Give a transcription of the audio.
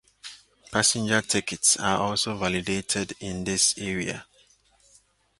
Passenger tickets are also validated in this area.